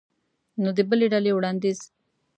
نو د بلې ډلې وړاندیز